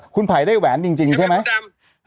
ขุนภัยได้แหวนจริงใช่ไหม